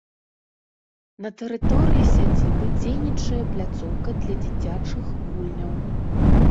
На тэрыторыі сядзібы дзейнічае пляцоўка для дзіцячых гульняў.